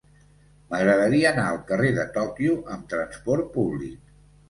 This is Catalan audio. M'agradaria anar al carrer de Tòquio amb trasport públic.